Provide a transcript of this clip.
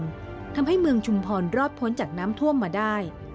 เพียงหนึ่งวันทำให้เมืองชุมภรรย์รอดพ้นจากน้ำท่วมมาได้